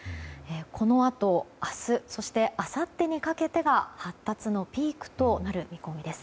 このあと、明日そしてあさってにかけてが発達のピークとなる見込みです。